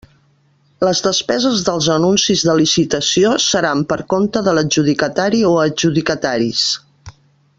Les depeses dels anuncis de licitació seran per conte de l'adjudicatari o adjudicataris.